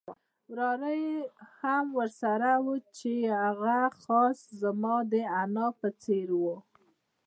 وراره یې هم ورسره وو چې هغه خاص زما د انا په څېر وو.